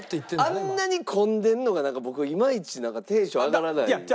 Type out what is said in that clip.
あんなに混んでるのがなんか僕はいまいちテンション上がらないんですよ。